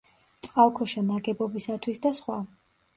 წყალქვეშა ნაგებობისათვის და სხვა.